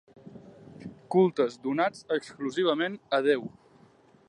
Cultes donats exclusivament a Déu.